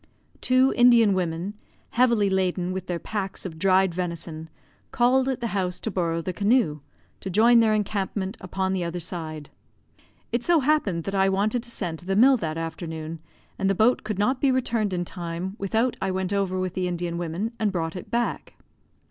Two Indian women, heavily laden with their packs of dried venison, called at the house to borrow the canoe, to join their encampment upon the other side. It so happened that I wanted to send to the mill that afternoon, and the boat could not be returned in time without I went over with the Indian women and brought it back.